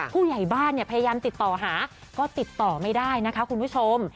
ผู้ใหญ่บ้านเนี่ยพยายามติดต่อหาก็ติดต่อไม่ได้นะคะคุณผู้ชม